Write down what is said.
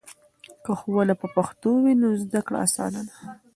که ښوونه په پښتو وي نو زده کړه اسانه ده.